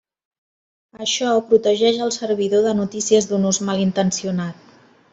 Això protegeix al servidor de notícies d'un ús malintencionat.